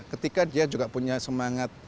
ketika dia juga punya semangat